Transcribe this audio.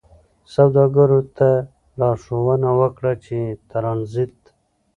سوداګرو ته لارښوونه وکړه چې ترانزیت